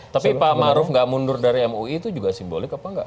tapi pak maruf gak mundur dari mui itu juga simbolik apa enggak